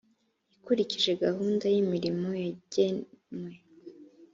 ikurikije gahunda y imirimo yagenwe